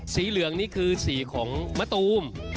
สีเหลืองนี่คือสีของมะตูม